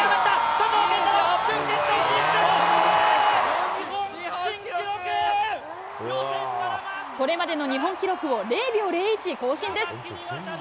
佐藤拳太郎、これまでの日本記録を０秒０１更新です。